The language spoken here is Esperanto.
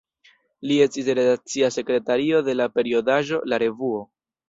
Li estis redakcia sekretario de la periodaĵo "La Revuo".